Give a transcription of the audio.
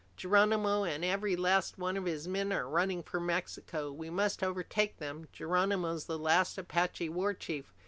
Geronimo and every last one of his men are running for Mexico. We must overtake them. Geronimo's the last Apache war chief!